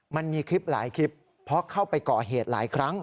มันมีคลิปหลายคลิปเพราะเข้าไปก่อเหตุหลายครั้ง